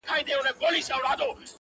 تر نگین لاندي پراته درته لوی غرونه،